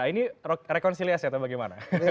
jadi rekonciliasi atau bagaimana